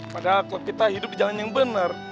padahal klub kita hidup di jalan yang bener